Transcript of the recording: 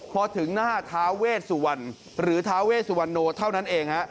พอถึงหน้าทาเวสวันหรือทาเวสวัโนเท่านั้นเอง